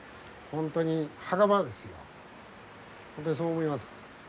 本当にそう思います。